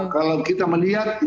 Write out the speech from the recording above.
kalau kita melihat